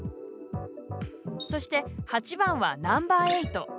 そして、８番はナンバーエイト。